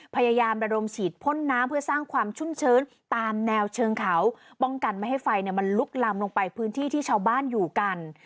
พยายามระดมฉีดพ่นน้ำเพื่อสร้างความชุ่มชื้นตามแนวเชิงเขาป้องกันไม่ให้ไฟมันลุกลำลงไปพื้นที่ที่ชาวบ้านอยู่กัน